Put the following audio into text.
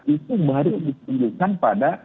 itu baru diselidikan pada